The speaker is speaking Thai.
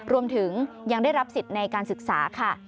รวมถึงยังได้รับสิทธิ์ในการศึกษาค่ะ